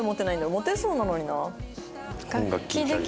モテそうなのにな。